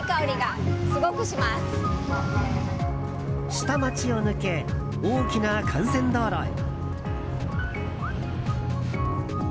下町を抜け、大きな幹線道路へ。